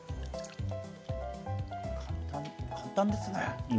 簡単ですね。